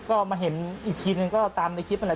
ก็มาเห็นอีกทีแบบนั้นก็ตามในคลิปเท่านั้นแหละ